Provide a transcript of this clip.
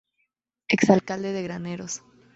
Ex Alcalde de Graneros.